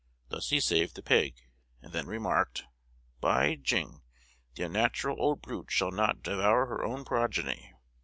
Thus he saved the pig, and then remarked, 'By jing! the unnatural old brute shall not devour her own progeny!'